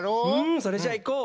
それじゃあ、いこう！